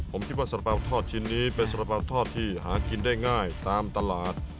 ผมคิดว่าสาระเป๋าทอดชิ้นนี้เป็นสาระเป๋าทอดที่หากินได้ง่ายตามตลาด